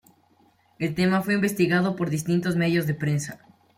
El tema fue investigado por distintos medios de prensa.